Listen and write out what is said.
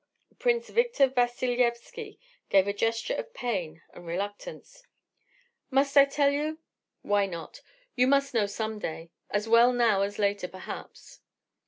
Prince Victor Vassilyevski gave a gesture of pain and reluctance. "Must I tell you? Why not? You must know some day, as well now as later, perhaps.